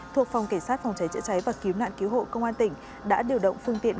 thuộc phòng cảnh sát phòng cháy chữa cháy và cứu nạn cứu hộ công an tỉnh đã điều động phương tiện